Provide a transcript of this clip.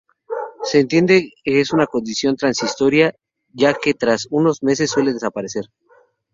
Se entiende que es una condición transitoria ya que tras unos meses suele desaparecer.